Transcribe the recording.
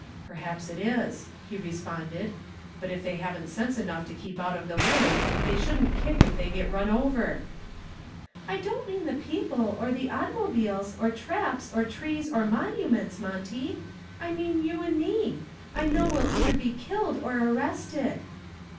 "Perhaps it is," he responded, "but if they haven't sense enough to keep out of the way they shouldn't kick if they get run over." "I don't mean the people or the automobiles or traps or trees or monuments, Monty; I mean you and me. I know we'll either be killed or arrested."